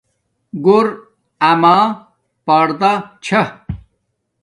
گور اما پردا چھا